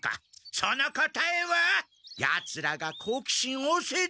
その答えはヤツらが好奇心旺盛だからじゃ。